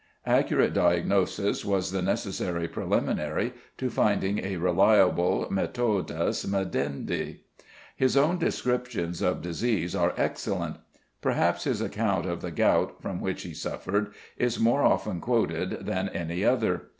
Accurate diagnosis was the necessary preliminary to finding a reliable methodus medendi. His own descriptions of disease are excellent. Perhaps his account of the gout, from which he suffered, is more often quoted than any other.